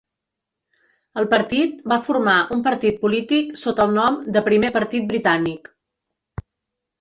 El partit va formar un partit polític sota el nom de Primer Partit Britànic.